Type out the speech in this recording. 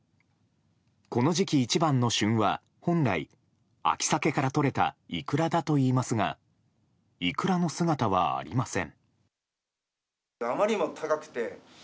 この時期一番の旬は本来、秋サケからとれたイクラだといいますがイクラの姿はありません。